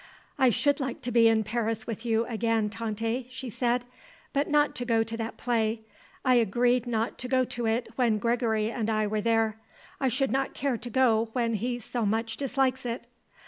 "I should like to be in Paris with you again, Tante," she said, "but not to go to that play. I agreed not to go to it when Gregory and I were there. I should not care to go when he so much dislikes it."